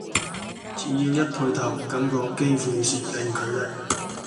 只要一抬頭，感覺幾乎是零距離